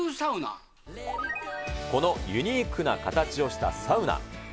このユニークな形をしたサウナ。